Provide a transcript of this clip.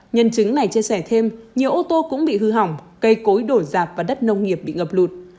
nhân chứng này chia sẻ thêm nhiều ô tô cũng bị hư hỏng cây cối đổ rạp và đất nông nghiệp bị ngập lụt